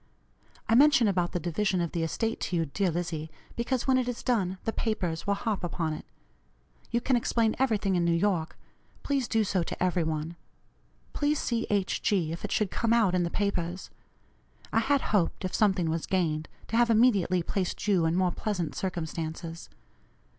I mention about the division of the estate to you, dear Lizzie, because when it is done the papers will harp upon it. You can explain everything in New York; please do so to every one. Please see H. G., if it should come out in the papers. I had hoped, if something was gained, to have immediately placed you in more pleasant circumstances.